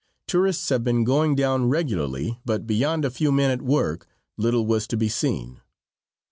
Tourists have been going down regularly, but beyond a few men at work, little was to be seen.